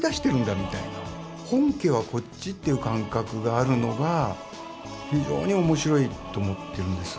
本家はこっちという感覚があるのが非常に面白いと思ってるんです。